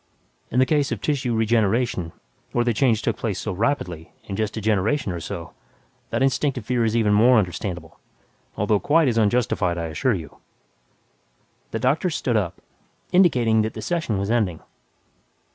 In the case of tissue regeneration, where the change took place so rapidly, in just a generation or so, that instinctive fear is even more understandable although quite as unjustified, I assure you." The doctor stood up, indicating that the session was ending.